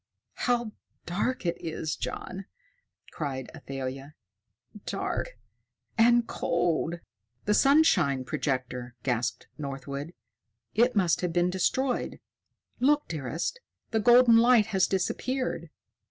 "How dark it is, John!" cried Athalia. "Dark and cold!" "The sunshine projector!" gasped Northwood. "It must have been destroyed. Look, dearest! The golden light has disappeared."